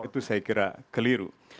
itu saya kira keliru